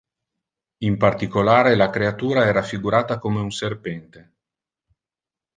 In particolare la creatura è raffigurata come un serpente.